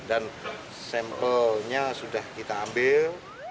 dan sampelnya sudah kita ambil